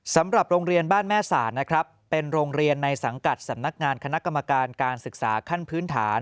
สำหรับโรงเรียนบ้านแม่ศาสตร์นะครับเป็นโรงเรียนในสังกัดสำนักงานคณะกรรมการการศึกษาขั้นพื้นฐาน